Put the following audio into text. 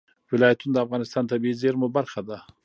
ولایتونه د افغانستان د طبیعي زیرمو برخه ده.